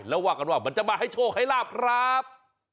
แล้วว่ากันว่ามันจะมาให้โชคให้ลาบครับ